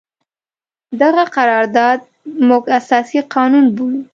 دغه قرارداد موږ اساسي قانون بولو.